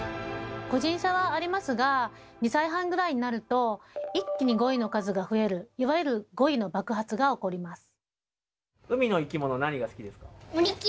個人差はありますが２歳半ぐらいになると一気に語彙の数が増えるいわゆる「語彙の爆発」が起こります。